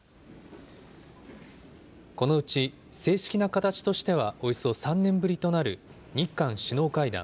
このうち正式な形としては、およそ３年ぶりとなる日韓首脳会談。